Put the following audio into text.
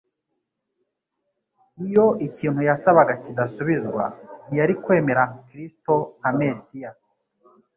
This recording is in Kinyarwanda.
Iyo ikintu yasabaga kidasubizwa, ntiyari kwemera Kristo nka Mesiya